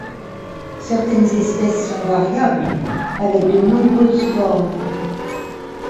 Certaines espèces sont variables, avec de nombreuses formes.